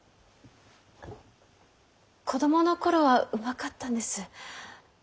子供の頃はうまかったんです。